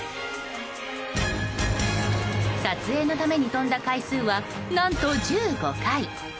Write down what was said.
撮影のために飛んだ回数は何と１５回。